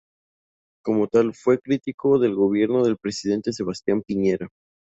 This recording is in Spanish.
Como tal, fue crítico del Gobierno del presidente Sebastián Piñera.